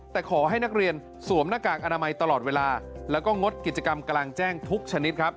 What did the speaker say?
แต่ขอให้นักเรียนสวมหน้ากากอนามัยตลอดเวลาแล้วก็งดกิจกรรมกลางแจ้งทุกชนิดครับ